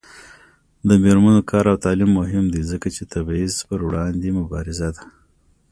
د میرمنو کار او تعلیم مهم دی ځکه چې تبعیض پر وړاندې مبارزه ده.